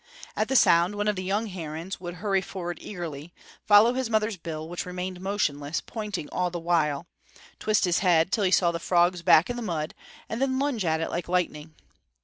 At the sound one of the young herons would hurry forward eagerly; follow his mother's bill, which remained motionless, pointing all the while; twist his head till he saw the frog's back in the mud, and then lunge at it like lightning.